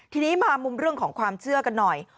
ทีนี้มามุมเรื่องของความเชื่อกันหน่อย